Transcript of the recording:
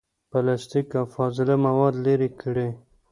پلاستیک، او فاضله مواد لرې کړي.